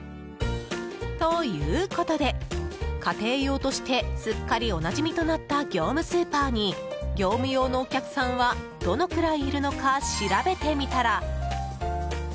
ということで、家庭用としてすっかりおなじみとなった業務スーパーに業務用のお客さんはどのぐらいいるのか調べてみたら。